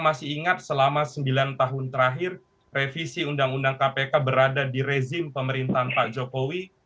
masih ingat selama sembilan tahun terakhir revisi undang undang kpk berada di rezim pemerintahan pak jokowi